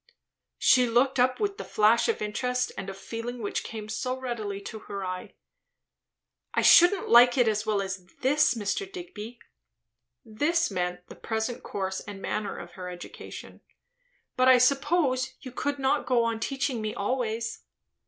She looked up, with the flash of interest and of feeling which came so readily to her eye. "I shouldn't like it as well as this, Mr. Digby," ("this" meant the present course and manner of her education;) "but I suppose you could not go on teaching me always."